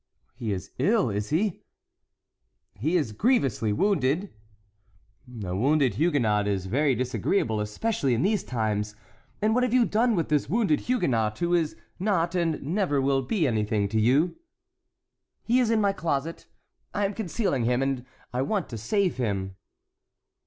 "He is ill, is he?" "He is grievously wounded." "A wounded Huguenot is very disagreeable, especially in these times; and what have you done with this wounded Huguenot, who is not and never will be anything to you?" "He is in my closet; I am concealing him and I want to save him."